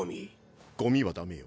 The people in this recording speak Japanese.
ゴミはダメよ